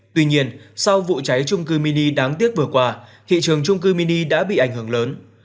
tuy nhiên sau vụ cháy trung cư mini đáng tiếc vừa qua thị trường trung cư mini đã bị ảnh hưởng lớn